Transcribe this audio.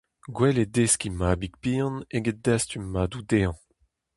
Gwell eo deskiñ mabig bihan eget dastum madoù dezhañ.